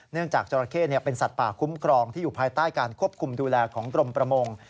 จากจราเข้เป็นสัตว์ป่าคุ้มครองที่อยู่ภายใต้การควบคุมดูแลของกรมประมง